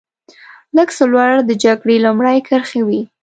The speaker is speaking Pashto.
لږ څه لوړ د جګړې لومړۍ کرښې وې.